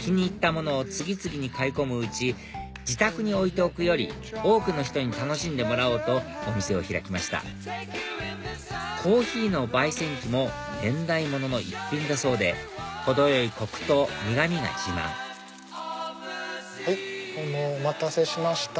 気に入ったものを次々に買い込むうち自宅に置いておくより多くの人に楽しんでもらおうとお店を開きましたコーヒーの焙煎機も年代物の一品だそうで程よいコクと苦味が自慢どうもお待たせしました。